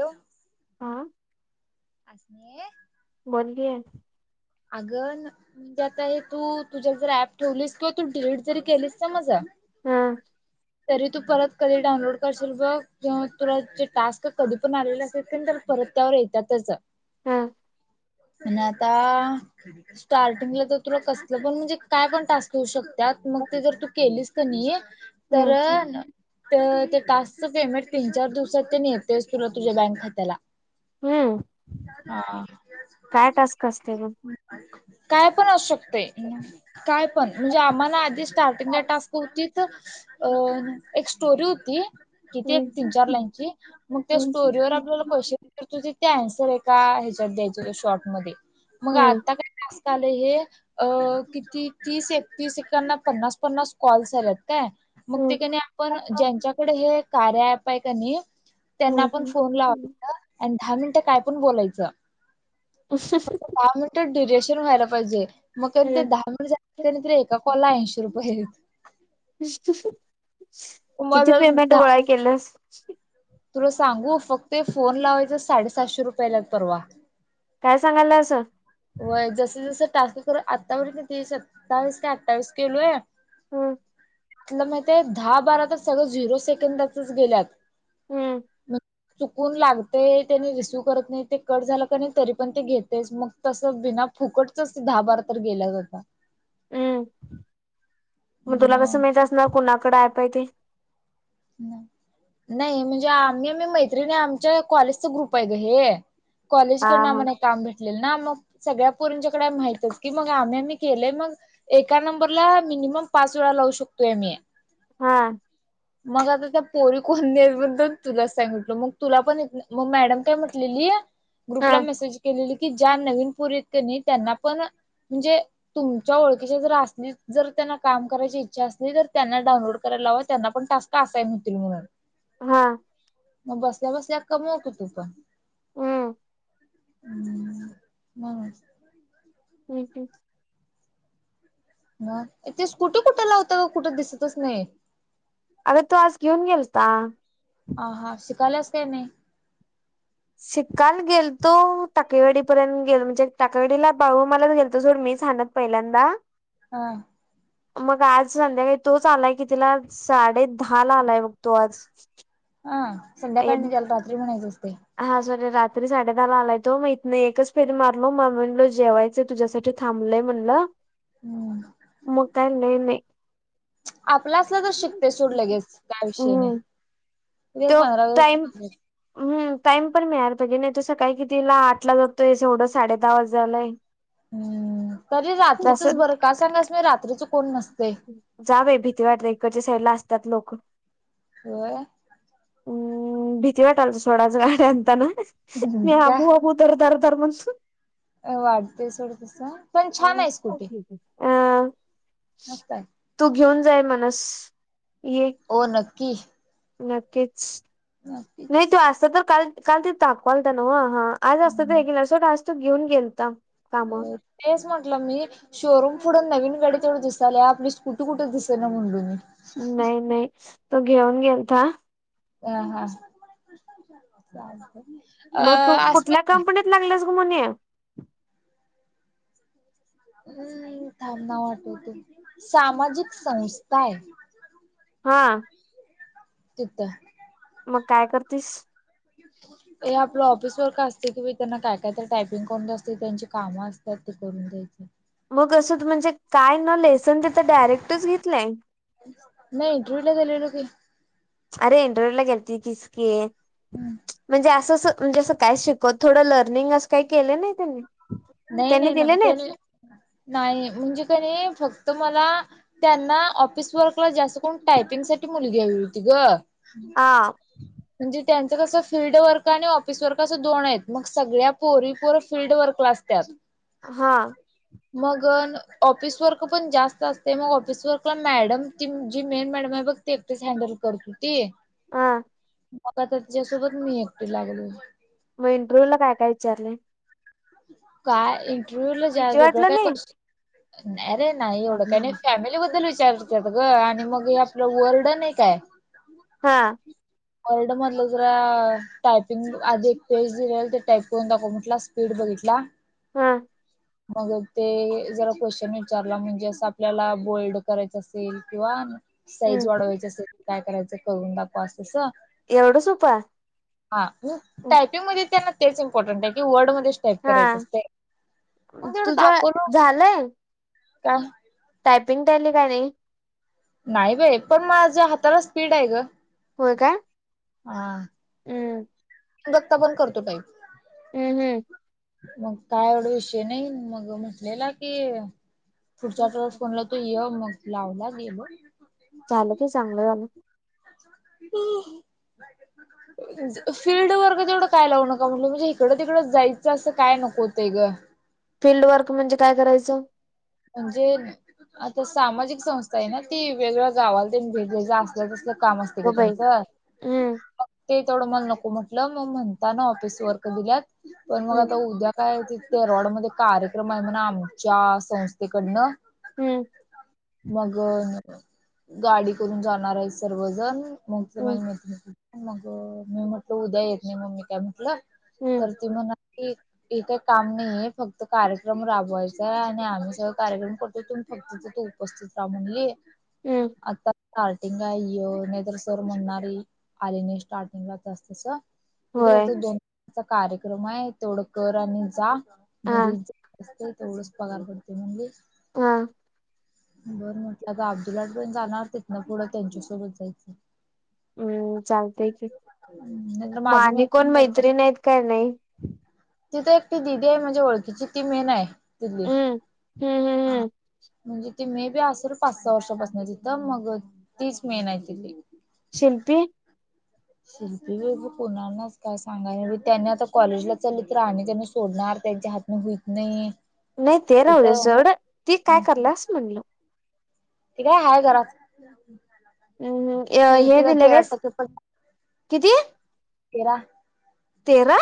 Hello, हा, [unintelligible] बोल की, अग न म्हणजे आता हे तू तुझ्या जर ऍप ठेवलीस किंवा तू डिलीट जरी केलीस ना माज हम, तरी तू परत कधी डाउनलोड करशील बघ किंवा तुला जे टास्क कधी पण आलेले असत्यात कणी तर परत त्यावर येतात तरच हम्, आणिआता स्टार्टिंगला तर तुला कसलं पण म्हणजे काय पण टास्क येऊ शकतो. त्यात मग त जर तू केलीस कनी तर हम्म न तर त्या टस्कच पेमेंट तीन चार दिवसात ते कणी येतयच तुला तुझ्या बँक खात्याला हम्म हा. काय टास्क असते ग काय पण असू शकतय, काय पण म्हणजे आम्हाना आधीच स्टार्टिंगला टास्क होतीत, अ एक स्टोरी होती. किती एक तीन-चार लाईनची, मग त्या स्टोरीवर आपल्याला क्वेशचन येत हुतीत ते अन्सर एका ह्याच्यात द्यायच, शॉर्ट मध्ये, मग आता काय तस कस आलंय हे, किती तीस-एकतीस एकेकांना पन्नास-पन्नास कॉल्स यालयात काय, मग ते कणी आपण ज्यांच्याकडे हे कार्य ॲप हाय की नई त्यांना आपण फोन लावयचा, आणि दहा मिनटं काय पण बोलायचं. [unintelligible] ते ड्युरेशन व्हायला पाहिजे, मग ते दहा मिनिटं बोलल की एका कला ऐंशी रुपये. व्हय. [unintelligible] मग किती जर पेमेंट धा गोळा केलंस. तुला सांगू, फक्त एक फोन लावायचं साडे साशे रुपये आल्यात परवा. काय सांगाल्यास? व्हय जस जसं टास्क कर आत्तापर्यंत ती सत्तावीस का अठ्ठावीस केलोय हम. तुला माहित हाय, दहा बारा तर सगळं झिरो सेकंदातच गेल्यात. हम्म. चुकून लागतय, त्याने रिसिव करत नाही ते कट झालं का नाही तरी पण ते घेतयच मग तस बिना फुकटच दहा बार तर गेल्यात आता हम्म, मग तुला कसं माहित असणार कुणाकडे ॲप आहे ते? नाही म्हणजे, आम्ही आम्ही मैत्रिणी आमच्या कॉलेजचा ग्रुप आहे ग हे. कॉलेज हा कडून आम्हाला हे काम भेट लेलं न मग सगळ्या पोरींच्याकडे हाय माहित आहेच की, मग आम्ही आम्ही केलेय मग एका नंबरला मी मिनिमम पाच वेळा लावू शकतोय मी. हा. मग आता त्या पोरी कोण नाहीत म्हणतान तुला सांगितलो, मग तुला पण एक मग मॅडम काय म्हटलेली ग्रुपला हा मेसेज केलेली की ज्या नवीन पोरी हाईत कणी त्यांना पण म्हणजे तुमच्या ओळखीच्या जर असलीत, जर त्यांना काम करायची इच्छा असली, तर त्यांना डाऊनलोड करायला लावा त्यांना पण टास्क असाईन होतील म्हणून हा. मग बसल्या बसल्या कमीव की तू पण. हम. हम्म, बर. हम्. हम. ह ते स्कुटी कुठे लावता ओ कुठं दिसतच नाही? अग तो आज घेऊन गेलता. हा. हा शिकाल्यास काय नाही? शिक काल गेल तो टाकळेवाडीपर्यंत गेलो म्हणजे, टाकळेवाडीला बाळू मामालाच गेलतो सोड मी. हाणत पहिल्यांदा हा. मग आज संध्याकाळी तोच आलाय कितीला साडे दहाला आलाय बघ मग तो आज ह संध्याकाळी नाही. त्याला रात्री म्हणायचं असते हा साॅरी रात तरी साडे दहाला आलाय तो, मग इथन एकच फेरी मारलो, मग म्हणलो जेवायच तुझ्यासाठी थांबलंय म्हणलं हम्म मग काय लै नई आपला असला तर शिकतय सोड लगेच काय विषय नाही. एक त्यो पंधरा दिवस टाईम टाइम पण मिळायला पाहिजे नाही, तो सकाळी कितीला आठला जातोय ऐवढं साडे दहा वाजालाय हम्. तरी रात्रीचच बरं काय सांगायच रात्रीच कोण नसतय. त्यात लोक होय. हम्म भीती वाटालती आज सोड गाडी हाणताना मी आबूआबू धर धर सर्वांच अ वाटतेय सोडं तस. पण छान आहे स्कुटी अ मस्त आहे तू घेऊन जाय म्हणस ये हो नक्की. नक्कीच नाही नक्कीच तू असता तर काल काल ते दाखवालता न्हव ह आज असतं ते रेग्युलर सोड आज तो घेऊन गेलता. कामा अ तेच म्हंटलं मी शोरूम पुुढून नवीन डे तेवढं दिसाल्या आपली स्कुटी कुठे दि सेना म्हटलो मी नाही नाही तो घेऊन गेलता अह हा. मग अ तू कुठल्या आसमा कंपनीत लागल्यास ग मने हम्म थांब ना आठवते सामाजिक संस्था आहे. हा. तिथ. मग काय करतीस. [inaudible] ते आपलं ऑफिस वर्क असते कि त्यांना काय काय तरी टायपिंग करून असते त्यांची कामं असतात ते करून द्यायचे मग असंच म्हणजे काय न लेसन ते डायरेक्टच घेतलाय. नाही इंटरव्ह्यूला [unintelligible] अरे इंटरव्ह्यू ला गेलती किसके म्हणजे असंस म्हणजे असं काय शिकत थोडं लर्निंग असं काही केलं नाही त्यांनी नाही त्यांनी नाही नाही दिले ते नाहीत नाही नाही म्हणजे कनी नाही फक्त मला त्यांना ऑफिस वर्कला जास्त कोण टायपिंग साठी मुलगी हवी होती ग. हा. म्हणजे त्यांचं कसं फिल्ड वर्क आणि ऑफिस वर्क असं दोन आहेत मग सगळ्या पोरी पोर फील्ड वर्क ला असत्यात. हा मग ऑफिस वर्क पण जास्त असते मग ऑफिस वर्कला मॅडम ती जी मेन मॅडम बघ ते एकटच हँडल करत होती. हा. मग आता तिच्यासोबत मी एकटी लागलोय. मग इंटरव्ह्यू ला काय काय विचारलंय. काय इंटरव्ह्यू ला जा भीती बगर वाटलं काय नाही कष्ट अरे नाही एवढं काही नाही फॅमिली बद्दल विचारतात ग आणि मग आपलं वर्ड नाही काय. हा. वर्ल्ड मधलं जरा टायपिंग आधी एक पेज दिले ते टाईप करून दाखवू म्हटलं फिल्ड बघितला. हम्म. मग ते जरा क्वेश्चन विचारला म्हणजे असं आपल्याला बोल्ड करायचं असेल किंवा साईज हम् वाढवायची असेल क काय करायचं करून दाखवा अस. अस एवढं सोप टायपिंग म त्यांना तेच इम्पॉर्ट आहे क वर्डमध्ये टाईप हा करायच असते मग तेवढ तुझ दाखवलं झालंय का. टायपिंग टेली का नाही नाही बाई पण माझ्या हाताला स्पीड आहे ग. होय काय. हा हम्म गत्ता पण करतो काही हम्म हम्म. मग काय एवढा विषय नाही मग म्हटलेला की पुढच्या आठेस फोनला तू ये मग लावला गेल. चाल ते चांगलं. [unintelligible] फीलल्ड वर्ग तेवढं काय लावू नका म्हटलं म्हणजे इकडं तिकडं जायचं असं काय नको ते ग. फिल्ड वर्क म्हणजे काय करायचं. म्हणजे आता सामाजिक संस्था आहे ना ती वेगवेगळ्या गावाला भेट असल्या. काम असते का ग बाई त्यांचं हम्म ते तेवढं मला नको म्हटलं मग म्हणता ना ऑफिस वर्क दिल्यात पण मग हम्म आता उद्या काय? तेरोवडमध्येध्ये कार्यक्रम आहे म्हणा आम च्या संस्थेकडनं हम्म. मग गाडी करून जाणार आहे सर्वजण मग तर हम्म माझी मैत्रि मग मी म्हटल उद्या येत नाही मग ममी काय म्हटलं. हम्म तर त म्हना हे काही काम नाहीे फक्त कार्यक्रम राबवायचा आहे आणि आम्ही स कार्यक्रम करतो त फक्त तू उपस्थित रा म्हून ये हम्म आता स्टार्टिंगला नद्रसर म्हणणारी आलीने स्टार्टिंगलाच असतस. तिथे होय फक्त दोनचा कार्यक्रम आहे तेवढकर आणि जा. हा घरीच असते तेवढंच पगार पडते म्हणजे हा. बरं म्हट आता अब्दुलाट पण जाणार ते ना पुढं त्यांच्यासोबत जायचं. हम्म चालते की नाहीतर मा माझं आम्ही मी आणि एकटीच कोण मैत्रिण आहेत काय नाही. तिथ एकटी दिदी आहे माझ्या ओळखीची ती मेन आहे तिथली. हम्म हम्म हम्म हम्म म्हणजे ती मे बी असल पाच सहा वर्षापासून तिथं मग तीच मेन आहेत तिथ. शिल्पी शिल्पी कोणा नाच काय सांगायला त्यांनी आता कॉलेजला चलत राह आणि त्यांना सोडणार. त्याच्या हात म घुईत नाही. नाही ते राह दे कुठं जड ती काय करल अस म्हणल. त काय हाय घराच. हम्म हे दिले कास किती? येरा. तेरा.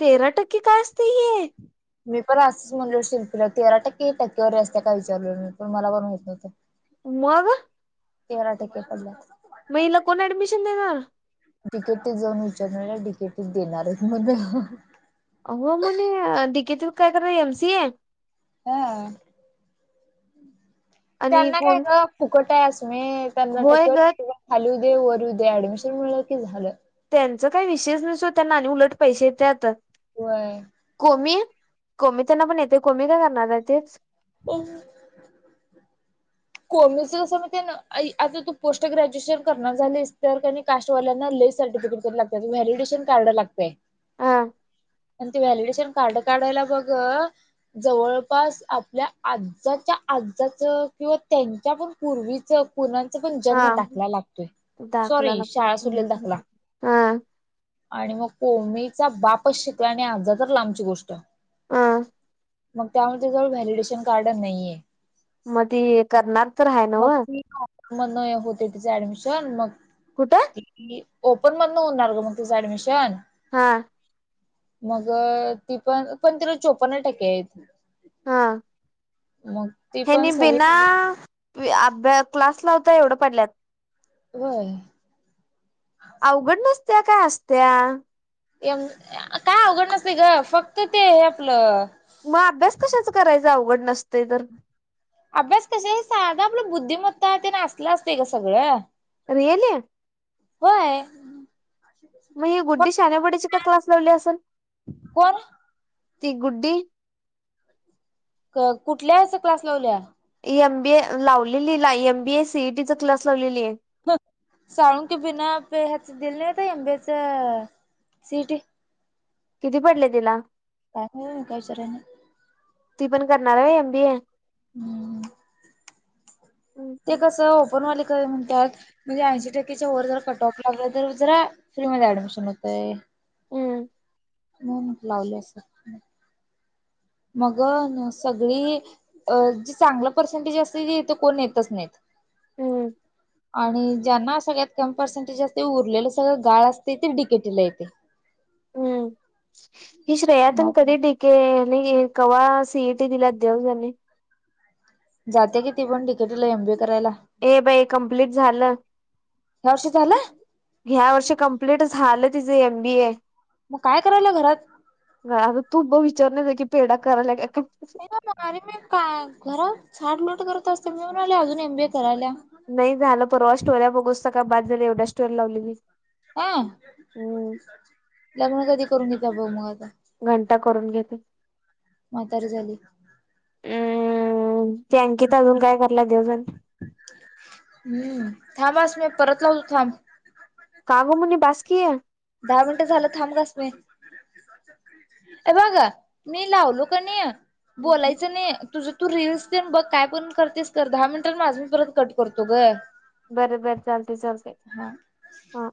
तेरा टक्के काय असतय हे. मी पण असंच म्हणलो शिल्पीला तेरा टक्के येता टक्केवारी असतते काय विचारलं मी पण मला पण माहित नवतं. मग तेरा टक्के पडल्यात. मग हिला कोण ऍडमिशन देणार. तिकेटत जाऊन विचार नाही तिकेटीत देणारच म्हण. हो म्हणे डके त काय कर एम सिए हा. आणि त्यांना काय कोण का फुकट आहे असु मी त्यांना होय ग टक्केवरी खा. वरू दे ऍडमिशन म्हलं की झालं. त्यांच काही विषयष नसो त्यांना आणि उलट पैसे येतत होय. कोमी कोमी त्यांना पण येते कोमी काय करणार आहे तेच [inaudible] कोमी आता [unintelligible] तू पोस्ट ग्रॅज्युएशन करणार झालीस तरर आणि कास्वाल्यांना हे सर्टिफिकेट तरी लागतय वैल्यूएशन कार्ड लागतय हा ते वैल्यूएशन कार्ड कार्ड काढायला बघ जवळपास आपल्या आजाच्या आजजाचं किंवा त्यांच्या पण पूर्वीचं कणा पण जन्म हा दाखला लागतोय दाखला सॉरी लागतो शाळा सुडलेल दाखला हा आणि मग कोमीचा बापच शिकला नाही आजा तर लांबची गोष्ट हा मग त्यामुळे तेच्याकडे जवळ व्हॅलिडेशन कार्ड नाहीये मध्ये करणार तर आहे ना व मग ती म होते तिच ऍडमिशन मग कुठं ती ओपन मधन होणार ग मग तुझं ऍडमिशन हा मग ती पण पण ती रोज चोपन्न टक्के आहेत हा मग ती पण हेनी सगळी बीना अभ्या क्लास ला होता एवढं पडल्यात व्हय अवघड नसत्या काय असत्या काय अवघड नसते ग फक्त ते आहे आपलं मग अभ्यास कशाच करायचा अवघड नसते तर अभ्यास कश साधा आपलं बुद्धिमत्ता ते नाचलं असते का सगळं रियल ये हो आहे मग हे गुद्धी शाण्यावाडीचे का क्लास लावली असेल कोण ती गुड्डी कुठल्या यास क्लास लावल्या एम बी ए लावलेली एम बीए ला सीईटी चा क्लास लावलेली आहे साळुंकी के बिना पे ह दिल नाहीता अंबेच सिटी किती पडले तिला का कायचरा ना ती पण करणार आहे एमबी ए हम्म हम्म ते हम्म कसं ओपनवाले म्हणतात म्हणजे ऐंशी टक्केच्या वर जर काटावर पास तर जरा फ्री मध्ये ऍडमिशन होतय हम्म हो मग लावले असं मग सगळे अ चांगलं पर्सेंटेज असते ती ते कोण येतच नाही हम्म आणि ज्यांना सगळ्यात कम पर्सेंटेज असते उरलेलं सगळं गाळ असते ते डिकेटीला येत हम्म हि श्रेयातन मग कधी ठीके कवाळा सीएटी दिलात देवजने जात की ती पण टिकेट ला एमबीए हे बाई कमप्लीट झालं वर्षी झालं ह्या वर्षी कंप्लट झालं तिच एमबी ए मग काय करायला घरात? ग तुब विचारने दे क पेडा करालाक नाही अरे मी का घर झाड लोट करत असते मी म्हणाले अजून एम बी ए करायला नाही झालं परवा स्टोरला बघूचता का बाद झाला एवढ्या स्टोर लावलेली हा हम्म लग्न कधी करून घेत बघ मग आता घंटा करून घेते म्हातारी झाली हम्म ते अँकित अजून काय कला दिवजन हम्म थांबांस मी परत लावतो थांब का ग म्हणे बास की दहा मिनटं झालं थांब ग अस्मि अ बघ मी लावलो कनी बोलायचं नई तुझ तू रीलल्स तेन बघ काय पण करतेस कर दहा मिनिटांनी माझं मी परत कट करतो ग बर बर चालतय चालतय हा हा